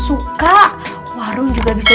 suka warung juga bisa